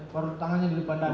baru tangannya di depannya